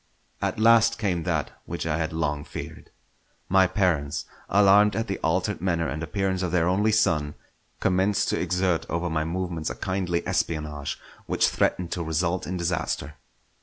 At last came that which I had long feared. My parents, alarmed at the altered manner and appearance of their only son, commenced to exert over my movements a kindly espionage which threatened to result in disaster.